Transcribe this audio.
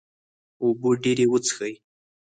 اوبه ډیرې وڅښئ